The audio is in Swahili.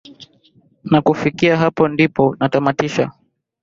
na kufikia hapo ndipo natamatisha makala yetu